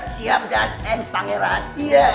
siap dan eng panggil rati ya